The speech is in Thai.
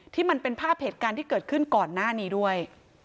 ที่เป็นภาพเหตุการณ์ที่เกิดขึ้นก่อนหน้านี้ด้วย